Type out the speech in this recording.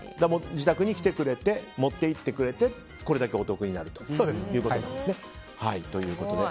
自宅に来てくれて持っていってくれてこれだけお得になりますということなんですね。